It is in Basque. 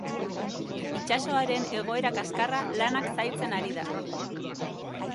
Itsasoaren egoera kaskarra lanak zailtzen ari da.